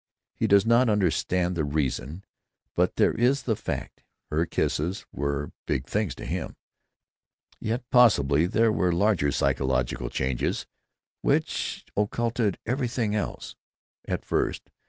He does not understand the reason; but there is the fact. Her kisses were big things to him, yet possibly there were larger psychological changes which occulted everything else, at first.